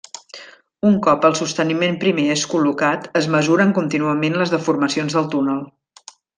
Un cop el sosteniment primer és col·locat, es mesuren contínuament les deformacions del túnel.